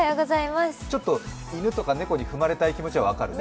犬とか猫に踏まれたい気持ちは分かるね。